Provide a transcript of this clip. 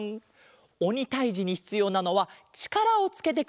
おにたいじにひつようなのはちからをつけてくれるあれだわん。